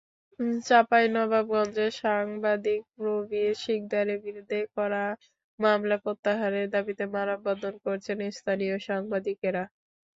চাঁপাইনবাবগঞ্জে সাংবাদিক প্রবীর সিকদারের বিরুদ্ধে করা মামলা প্রত্যাহারের দাবিতে মানববন্ধন করেছেন স্থানীয় সাংবাদিকেরা।